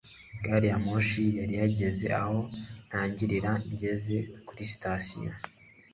gari ya moshi yari igeze aho ntangirira ngeze kuri sitasiyo